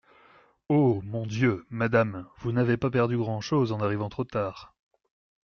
Oh ! mon Dieu ! madame, vous n'avez pas perdu grand'chose, en arrivant trop tard.